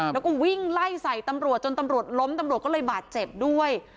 แล้วก็วิ่งไล่ใส่ตำรวจจนตำรวจล้มตำรวจก็เลยบาดเจ็บด้วย